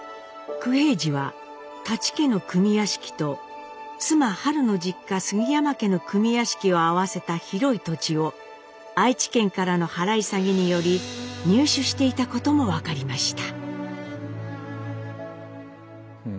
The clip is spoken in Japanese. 九平治は舘家の組屋敷と妻はるの実家杉山家の組屋敷を合わせた広い土地を愛知県からの払い下げにより入手していたことも分かりました。